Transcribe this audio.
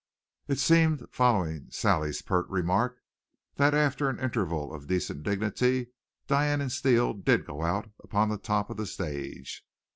It seemed, following Sally's pert remark, that after an interval of decent dignity, Diane and Steele did go out upon the top of the stage.